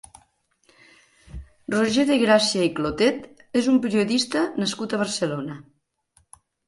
Roger de Gràcia i Clotet és un periodista nascut a Barcelona.